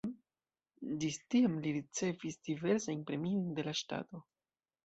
Ĝis tiam li ricevis diversajn premiojn de la ŝtato.